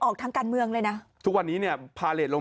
โอ้มันมีทาง